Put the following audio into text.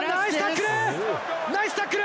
ナイスタックル！